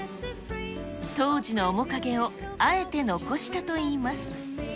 当時の面影をあえて残したといいます。